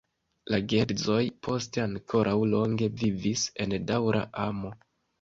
La geedzoj poste ankoraŭ longe vivis en daŭra amo.